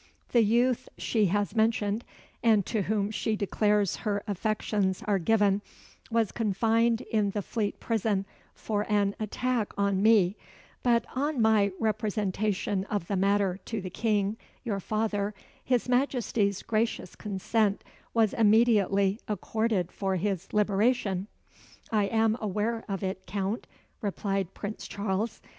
"The youth she has mentioned, and to whom she declares her affections are given, was confined in the Fleet Prison for an attack on me; but, on my representation of the matter to the King, your father, his Majesty's gracious consent was immediately accorded for his liberation." "I am aware of it, Count," replied Prince Charles.